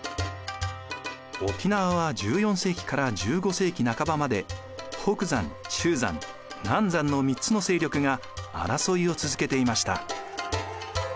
沖縄は１４世紀から１５世紀半ばまで北山中山南山の３つの勢力が争いを続けていました。